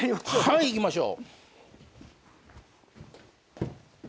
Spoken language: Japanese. はい行きましょう。